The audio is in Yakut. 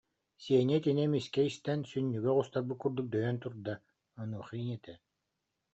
Сеня итини эмискэ истэн, сүнньүгэ оҕустарбыт курдук дөйөн турда, онуоха ийэтэ: